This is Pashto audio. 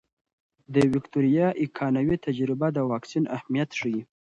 د ویکتوریا ایکانوي تجربه د واکسین اهمیت ښيي.